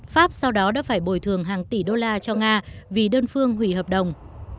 pháp sau đó đã phải bồi thường hàng tỷ đô la cho nga vì đơn phương hủy hợp đồng